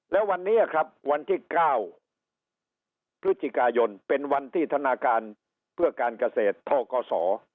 แล้ววันนี้ครับวันที่๙พฤศจิกายนเป็นวันที่ธนาคารเพื่อการเกษตรทกศ